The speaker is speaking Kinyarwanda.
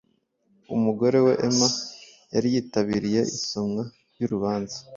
Umugore we Emma yari yitabiriye isomwa ry'urubanza